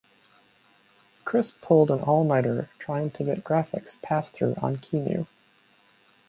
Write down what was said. Chris pulled an all nighter trying to get graphics passthrough on Qemu.